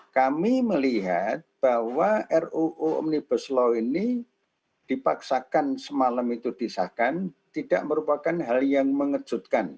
kami melihat bahwa ruu omnibus law ini dipaksakan semalam itu disahkan tidak merupakan hal yang mengejutkan